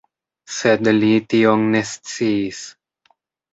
Sed li tion ne sciis.